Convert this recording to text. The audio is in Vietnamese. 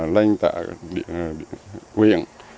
lên tại huyện